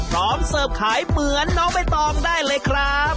เสิร์ฟขายเหมือนน้องใบตองได้เลยครับ